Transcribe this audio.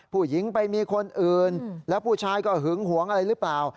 ผู้หญิงไปมีคนอื่นแล้วผู้ชายก็หึงหวงอะไรหรือเปล่า